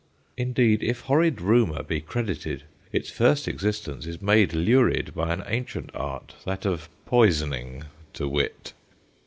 Indeed, if horrid rumour be credited, its first existence is made lurid by an ancient art, that of poison ing, to wit.